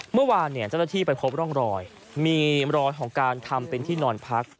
เมื่อวานเจ้าหน้าที่ไปพบร่องรอยมีรอยของการทำเป็นที่นอนพัก